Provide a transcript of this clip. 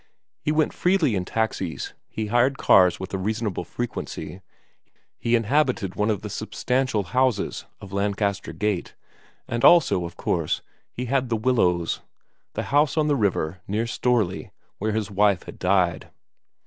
He went freely in taxis, he hired cars with a reasonable frequency, he inhabited one of the substantial houses of Lancaster Gate, and also, of course, he had The Willows, the house on the river near Strorley where his wife had died.